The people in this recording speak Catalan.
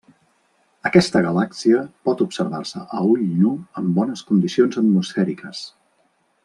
Aquesta galàxia pot observar-se a ull nu en bones condicions atmosfèriques.